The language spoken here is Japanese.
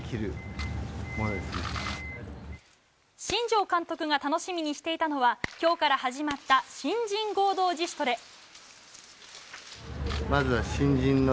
新庄監督が楽しみにしていたのは今日から始まった新人合同自主トレ。